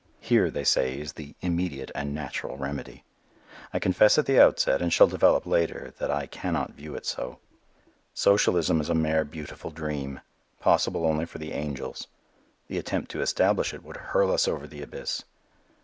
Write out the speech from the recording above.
Here, they say, is the immediate and natural remedy. I confess at the outset, and shall develop later, that I cannot view it so. Socialism is a mere beautiful dream, possible only for the angels. The attempt to establish it would hurl us over the abyss.